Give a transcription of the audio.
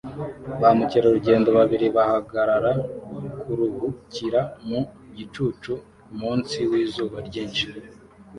Ba mukerarugendo babiri bahagarara kuruhukira mu gicucu kumunsi wizuba ryinshi